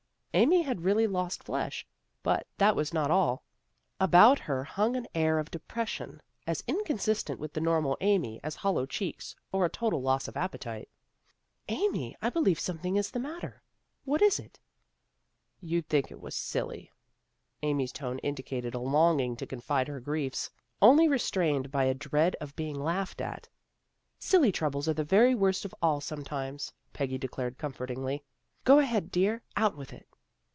Amy had really lost flesh, but that was not all. About her hung an air of depres sion, as inconsistent with the normal Amy as hollow cheeks, or a total loss of appetite. " Amy, I believe something is the matter. What is it? "" You'd think it was silly." Amy's tone indicated a longing to confide her griefs, only restrained by a dread of being laughed at. " Silly troubles are the very worst of all sometimes," Peggy declared comfortingly. " Go ahead, dear. Out with it."